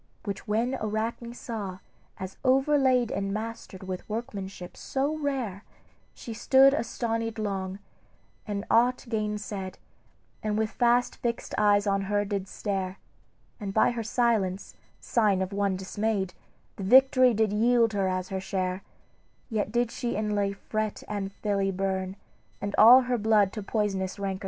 "Which when Arachne saw, as overlaid And mastered with workmanship so rare, She stood astonied long, ne aught gainsaid; And with fast fixed eyes on her did stare And by her silence, sign of one dismayed, The victory did yield her as her share; Yet did she inly fret and felly burn, And all her blood to poisonous rancor turn."